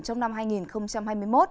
trong năm hai nghìn hai mươi một